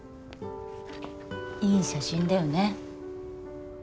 いい写真だよね。